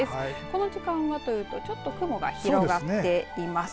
この時間はというとちょっと雲が広がっています。